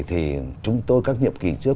thì chúng tôi các nhiệm kỳ trước